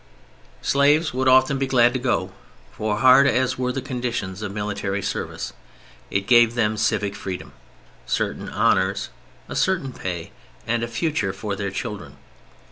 Slaves would often be glad to go, for, hard as were the conditions of military service, it gave them civic freedom, certain honors, a certain pay, and a future for their children.